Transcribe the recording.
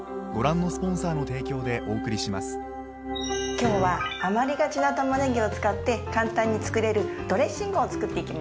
今日は余りがちなタマネギを使って簡単に作れるドレッシングを作っていきましょう。